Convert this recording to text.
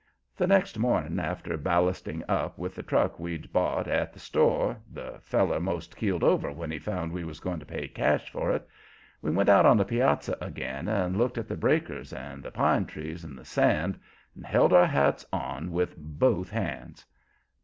The next morning after ballasting up with the truck we'd bought at the store the feller 'most keeled over when he found we was going to pay cash for it we went out on the piazza again, and looked at the breakers and the pine trees and the sand, and held our hats on with both hands.